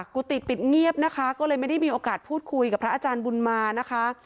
กุฏิปิดเงียบนะคะก็เลยไม่ได้มีโอกาสพูดคุยกับพระอาจารย์บุญมานะคะ